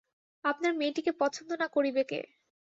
আপনার মেয়েটিকে পছন্দ না করিবে কে?